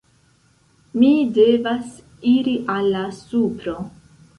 Mi devas iri al la supro